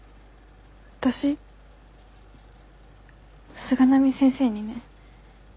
私菅波先生にね。